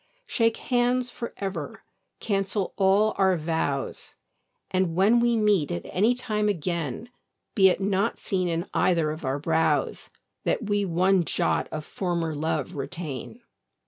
Shake hands for ever, cancel all our vows, And, when we meet at any time again, Be it not seen in either of our brows That we one jot of former love retain.